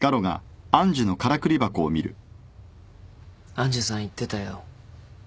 愛珠さん言ってたよ。